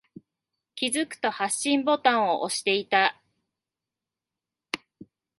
気づくと、発信ボタンを押していた。